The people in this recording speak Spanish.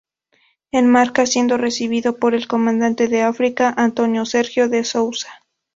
En marca, siendo recibido por el comandante de África, Antonio Sergio de Sousa.